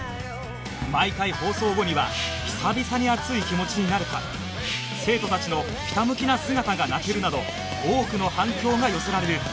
毎回放送後には「久々に熱い気持ちになれた！」「生徒たちのひたむきな姿が泣ける！」など多くの反響が寄せられる